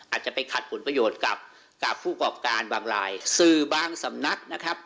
อาจจะไปขัดผลประโยชน์กับกับผู้กรอบการบางรายสื่อบางสำนักนะครับ